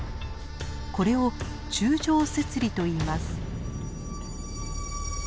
これを柱状節理といいます。